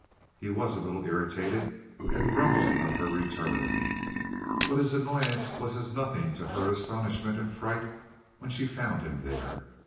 He was a little irritated and grumbled on her return, but his annoyance was as nothing to her astonishment and fright when she found him there.